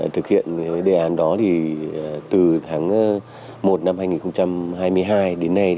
thực hiện đề án đó thì từ tháng một năm hai nghìn hai mươi hai đến nay